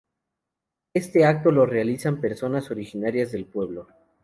Este acto lo realizan personas originarias del pueblo.